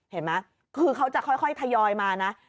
เห็นไหมคือเขาจะค่อยทยอยมานะ